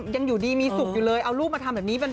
ยังอยู่ดีมีสุขอยู่เลยเอาลูกมาทำแบบนี้